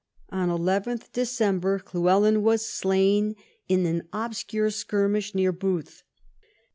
On 11th December Llywelyn was slain in an obscure skirmish near Builth.